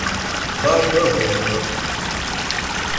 Bátə̀ gɔm tə'.